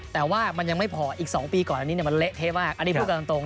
แต่ว่ามันยังไม่พออีก๒ปีก่อนอันนี้มันเละเทะมากอันนี้พูดกันตรง